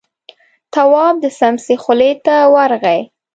تواب د سمڅې خولې ته ورغی.